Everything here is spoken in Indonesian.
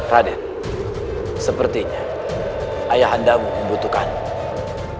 raden sepertinya ayahandamu membutuhkanmu